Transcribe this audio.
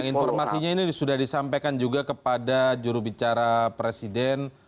informasinya ini sudah disampaikan juga kepada jurubicara presiden